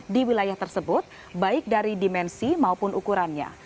di wilayah tersebut baik dari dimensi maupun ukurannya